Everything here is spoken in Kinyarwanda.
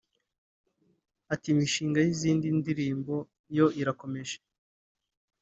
Ati “Imishinga y'izindi ndirimbo yo irakomeje